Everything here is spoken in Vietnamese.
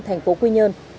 thành phố quy nhơn